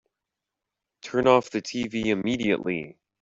Turn off the tv immediately!